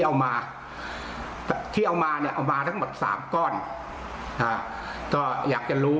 เอามาแต่ที่เอามาเนี่ยเอามาทั้งหมดสามก้อนอ่าก็อยากจะรู้